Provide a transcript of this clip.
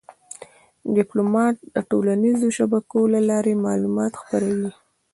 ډيپلومات د ټولنیزو شبکو له لارې معلومات خپروي.